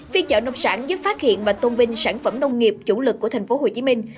phiên chợ nông sản giúp phát hiện và tôn vinh sản phẩm nông nghiệp chủ lực của thành phố hồ chí minh